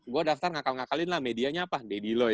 gua daftar ngakal ngakalin lah medianya apa dedy loy